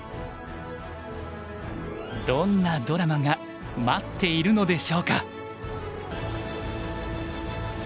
どんなドラマが待っているのでしょうか。